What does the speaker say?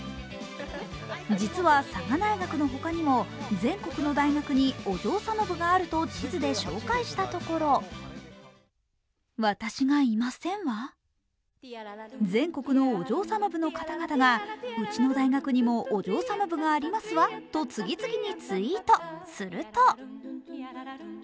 実は、佐賀大学の他にも全国の大学にお嬢様部があると地図で紹介したところ全国のお嬢様部の方々がうちの大学にもお嬢様部がありますわと次々にツイート。